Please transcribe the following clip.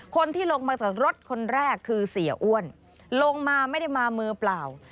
คนที่ลงมาจากรถคนแรกคือเสียอ้วนลงมาไม่ได้มามือเปล่า